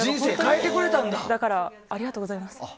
だから、ありがとうございます。